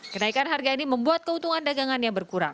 kenaikan harga ini membuat keuntungan dagangan yang berkurang